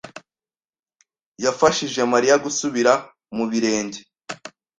yafashije Mariya gusubira mu birenge.